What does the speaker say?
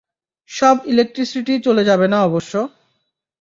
সব ইলেক্ট্রিসিটি চলে যাবে না অবশ্য।